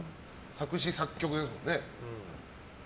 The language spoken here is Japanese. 作詞・作曲ですもんね。